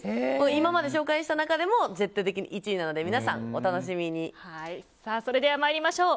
今まで紹介した中でも絶対的に１位なのでそれでは参りましょう。